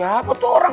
siapa tuh orang